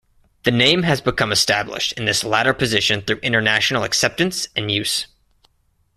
The name has become established in this latter position through international acceptance and use.